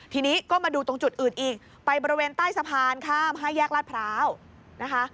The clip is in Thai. ทีนี้ก็มาดูตรงจุดอื่นอีกไปบริเวณใต้สะพานข้าม๕แยกลาดพร้าวนะคะ